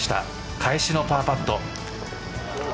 返しのパーパット。